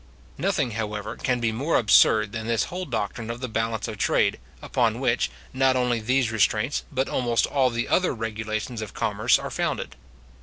Nothing, however, can be more absurd than this whole doctrine of the balance of trade, upon which, not only these restraints, but almost all the other regulations of commerce, are founded.